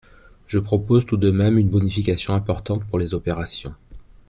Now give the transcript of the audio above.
Je propose tout de même une bonification importante pour les opérations.